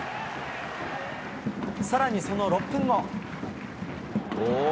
さらにその６分後。